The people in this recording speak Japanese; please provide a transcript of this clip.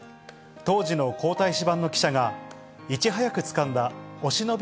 当時の皇太子番の記者が、いち早くつかんだお忍び